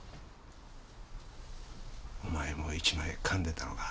お前も一枚噛んでたのか？